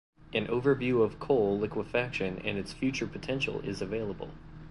An overview of coal liquefaction and its future potential is available.